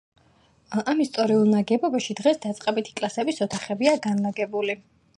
ამ ისტორიულ ნაგებობაში დღეს დაწყებითი კლასების ოთახებია განლაგებული.